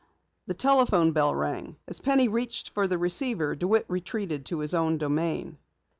The telephone bell rang. As Penny reached for the receiver, DeWitt retreated to his own domain.